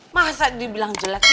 masa dibilang jelek ini